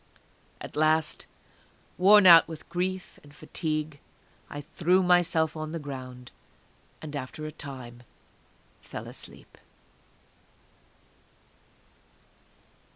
At last, worn out with grief and fatigue, I threw myself on the ground, and after a time fell asleep.